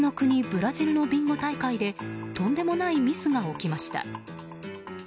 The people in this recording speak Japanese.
ブラジルのビンゴ大会でとんでもないミスが起きました。